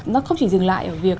nó không chỉ dừng lại ở việc